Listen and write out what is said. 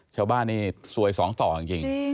ชาวบ้านนี่สวยสองต่อจริง